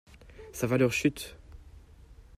Sa valeur chute.